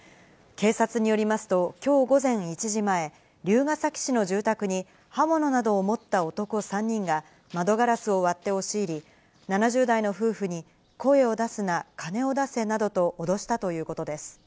警察によりますと、きょう午前１時前、龍ケ崎市の住宅に、刃物などを持った男３人が、窓ガラスを割って押し入り、７０代の夫婦に声を出すな、金を出せなどと脅したということです。